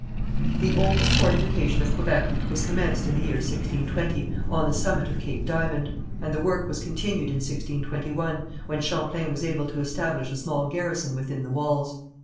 The oldest fortification of Quebec was commenced in the year 1620, on the summit of Cape Diamond, and the work was continued in 1621, when Champlain was able to establish a small garrison within the walls.